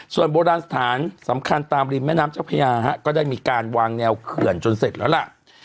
ส่วนโบราณสถานสำคัญตามริมแม่น้ำเจ้าพญาก็ได้มีการวางแนวเขื่อนจนเสร็จแล้วล่ะ